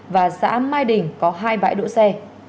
và xã mai đình có hai bãi đỗ xe